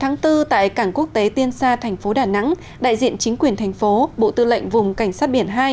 cảnh sát biển quốc tế tiên xa thành phố đà nẵng đại diện chính quyền thành phố bộ tư lệnh vùng cảnh sát biển hai